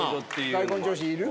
塊根女子いる？